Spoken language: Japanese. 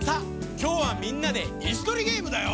きょうはみんなでいすとりゲームだよ。